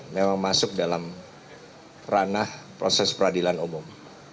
memang masuk dalam ranah proses peradilan umum